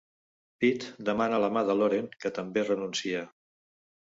Pitt demana la mà de Loren, que també renuncia.